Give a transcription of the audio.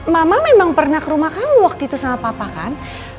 mama memang pernah ke rumah kamu waktu itu sama papa kan